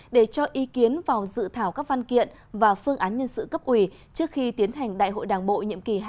để cho ý kiến vào dự thảo các văn kiện và phương án nhân sự cấp ủy trước khi tiến hành đại hội đảng bộ nhiệm kỳ hai nghìn hai mươi hai nghìn hai mươi năm